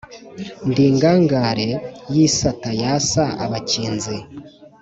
Ndi ingangare y’isata yasa abakinzi,